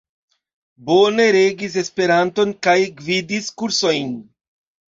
Bone regis Esperanton kaj gvidis kursojn.